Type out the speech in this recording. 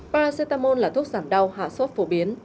paracetamol là thuốc giảm đau hạ sốt phổ biến